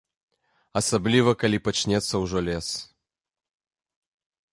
Асабліва калі пачнецца ўжо лес.